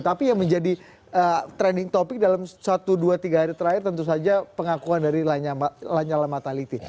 tapi yang menjadi trending topic dalam satu dua tiga hari terakhir tentu saja pengakuan dari lanyala mataliti